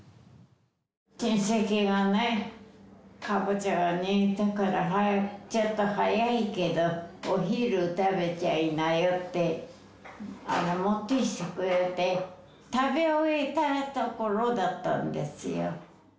親戚がね、カボチャが煮えたから、ちょっと早いけど、お昼食べちゃいなよって、持ってきてくれて、食べ終えたところだったんですよ。